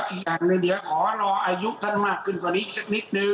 อีกอย่างหนึ่งเดี๋ยวขอรออายุท่านมากขึ้นกว่านี้อีกสักนิดนึง